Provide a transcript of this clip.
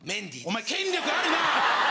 お前権力あるな！